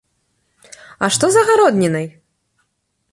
А што з агароднінай?